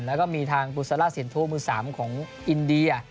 แล้วก็มีทางบุซาล่าสินทูปมือ๓ของอินเดีย